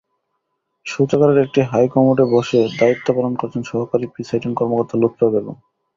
শৌচাগারের একটি হাইকমোডে বসে দায়িত্ব পালন করেছেন সহকারী প্রিসাইডিং কর্মকর্তা লুত্ফা বেগম।